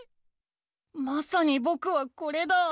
まさにぼくはこれだ。